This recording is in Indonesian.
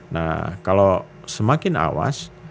nah kalau semakin awas